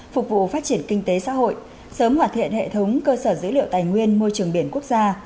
phục vụ phát triển kinh tế xã hội sớm hoàn thiện hệ thống cơ sở dữ liệu tài nguyên môi trường biển quốc gia